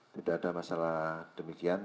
tidak ada masalah demikian